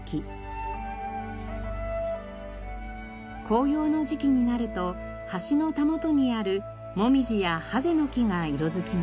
紅葉の時期になると橋のたもとにあるモミジやハゼノキが色づきます。